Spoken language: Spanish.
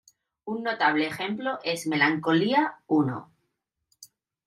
Un notable ejemplo es "Melancolía I".